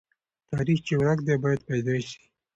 تاریخ چې ورک دی، باید پیدا سي.